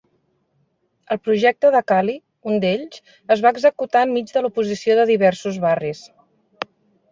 El projecte de Kali, un d'ells, es va executar enmig de l'oposició de diversos barris.